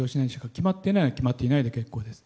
決まっていないなら決まっていないで結構です。